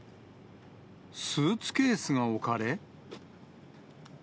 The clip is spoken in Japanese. スーツケースが置かれ。